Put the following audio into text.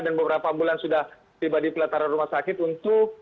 dan beberapa bulan sudah tiba di pelataran rumah sakit